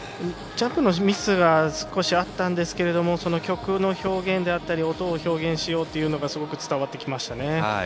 ジャンプのミスは少しあったんですけれども曲の表現であったり音を表現しようというのがすごく伝わってきましたね。